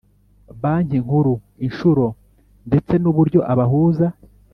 Banki Nkuru inshuro ndetse n uburyo abahuza